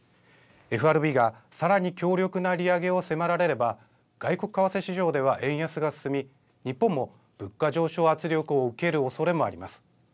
ＦＲＢがさらに強力な利上げを迫られれば、外国為替市場では円安が進み、日本も物価上昇圧力を受けるおそれもあります。